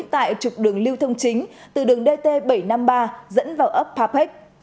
tại trục đường lưu thông chính từ đường dt bảy trăm năm mươi ba dẫn vào ấp papec